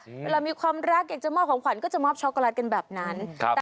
เวลามีความรักอยากจะมอบของขวัญก็จะมอบช็อกโกแลตกันแบบนั้น